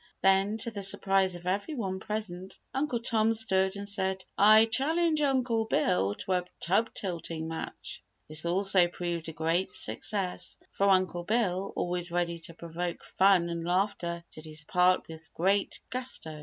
Then to the surprise of every one present, Uncle Tom stood and said, "I challenge Uncle Bill to a tub tilting match." This also proved a great success, for Uncle Bill, always ready to provoke fun and laughter, did his part with great gusto.